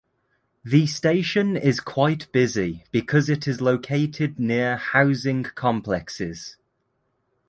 The station is quite busy because it is located near housing complexes.